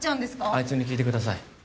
あいつに聞いてください